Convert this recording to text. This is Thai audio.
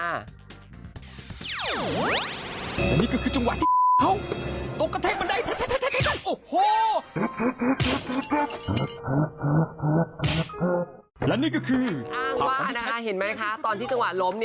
อ้างว่านะคะเห็นไหมคะตอนที่จังหวะล้ม